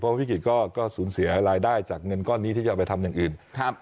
เพราะว่าพี่กิจก็ก็สูญเสียรายได้จากเงินก้อนนี้ที่จะไปทำอย่างอื่นครับ